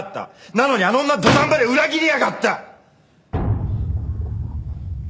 なのにあの女土壇場で裏切りやがった！